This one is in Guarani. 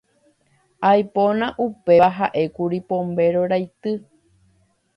Aipóna upéva ha'ékuri Pombéro raity.